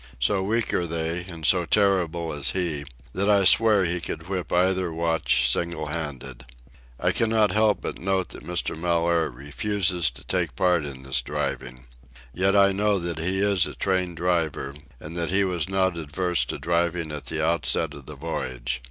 So weak are they, and so terrible is he, that I swear he could whip either watch single handed. I cannot help but note that Mr. Mellaire refuses to take part in this driving. Yet I know that he is a trained driver, and that he was not averse to driving at the outset of the voyage.